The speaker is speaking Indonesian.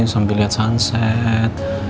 sampai liat sunset